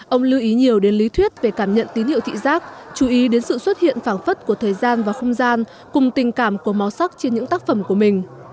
ông lưu ý nhiều đến lý thuyết về cảm nhận tín hiệu thị giác chú ý đến sự xuất hiện phản phất của thời gian và không gian cùng tình cảm của màu sắc trên những tác phẩm của mình